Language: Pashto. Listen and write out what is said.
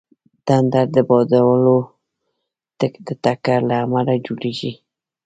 تندر د بادلونو د ټکر له امله جوړېږي.